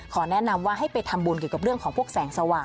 แนะนำว่าให้ไปทำบุญเกี่ยวกับเรื่องของพวกแสงสว่าง